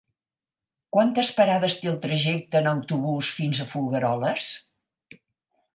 Quantes parades té el trajecte en autobús fins a Folgueroles?